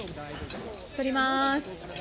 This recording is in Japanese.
撮ります。